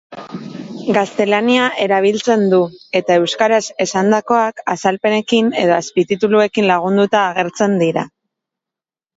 Gaztelania erabiltzen du, eta euskaraz esandakoak azalpenekin edo azpitituluekin lagunduta agertzen dira.